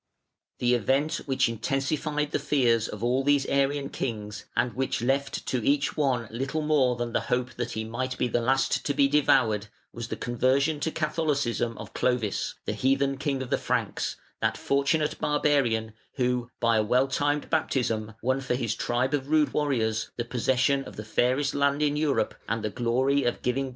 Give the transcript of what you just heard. The event which intensified the fears of all these Arian kings, and which left to each one little more than the hope that he might be the last to be devoured, was the conversion to Catholicism of Clovis, the heathen king of the Franks, that fortunate barbarian who, by a well timed baptism, won for his tribe of rude warriors the possession of the fairest land in Europe and the glory of giving birth to one of the foremost nations in the world.